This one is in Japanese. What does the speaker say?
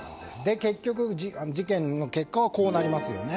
結局、事件の結果はこうなりますよね。